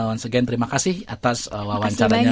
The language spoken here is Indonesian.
once again terima kasih atas wawancaranya